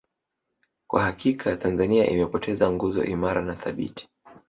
Kwa hakika Tanzania imepoteza nguzo imara na thabiti